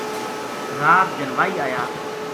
رات جنوائی آیا